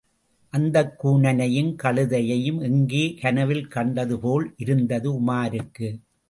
அந்தக் கூனனையும், கழுதையையும் எங்கோ கனவில் கண்டது போல் இருந்தது உமாருக்கு.